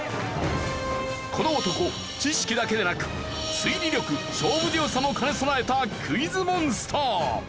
この男知識だけでなく推理力勝負強さも兼ね備えたクイズモンスター。